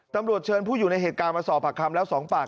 ตำรวจเชิญผู้อยู่ในเหตุการณ์มาสอบปากคำแล้ว๒ปาก